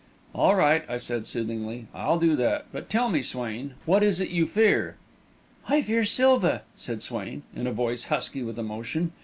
"All right," I said, soothingly, "I'll do that. But tell me, Swain, what is it you fear?" "I fear Silva!" said Swain, in a voice husky with emotion.